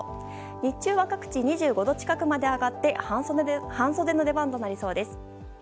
日中は各地２５度近くまで上がって半袖の出番となりそうです。